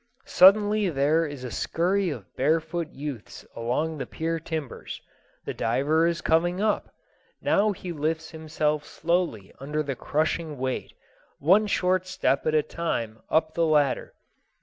Suddenly there is a scurry of barefoot youths along the pier timbers. The diver is coming up. Now he lifts himself slowly under the crushing weight, one short step at a time up the ladder.